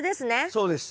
そうです。